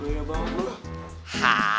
gue ya bangun lah